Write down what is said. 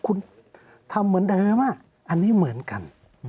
คุณทำเหมือนเดิมอันนี้เหมือนกัน